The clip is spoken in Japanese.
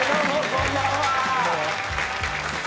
こんばんは。